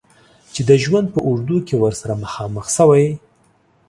چې د ژوند په اوږدو کې ورسره مخامخ شوی.